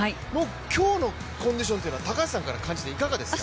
今日のコンディションというのは高橋さんから感じていかがですか？